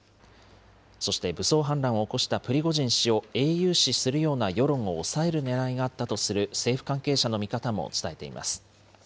そして武装反乱を起こしたプリゴジン氏を英雄視するような世論を抑えるねらいがあったとする政府関係者の見方も伝えています。